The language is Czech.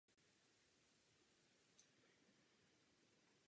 Vlastně nikoliv na naše dveře, nýbrž na dveře Evropské komise.